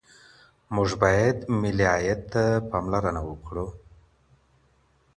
موږ باید ملي عاید ته پاملرنه وکړو.